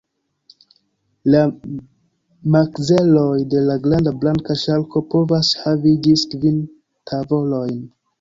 La makzeloj de la granda blanka ŝarko povas havi ĝis kvin tavolojn.